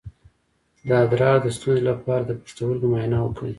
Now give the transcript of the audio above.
د ادرار د ستونزې لپاره د پښتورګو معاینه وکړئ